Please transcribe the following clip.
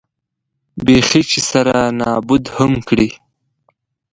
بېخي چې سره نابود هم کړي.